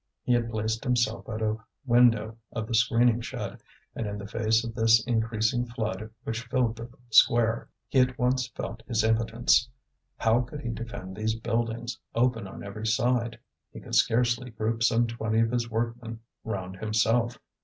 He had placed himself at a window of the screening shed; and in the face of this increasing flood which filled the square, he at once felt his impotence. How could he defend these buildings, open on every side? he could scarcely group some twenty of his workmen round himself.